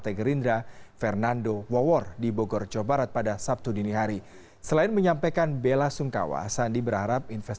tidak ada yang mau berpikir